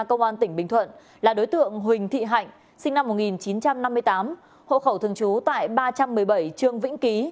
của đối tượng huỳnh thị hạnh sinh năm một nghìn chín trăm năm mươi tám hộ khẩu thường trú tại ba trăm một mươi bảy trương vĩnh ký